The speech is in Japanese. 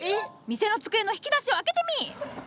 店の机の引き出しを開けてみぃ！